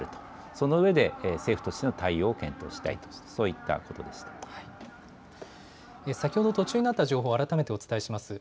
その上で、政府としての対応を検討したいと、そういったことでし先ほど途中になった情報、改めてお伝えします。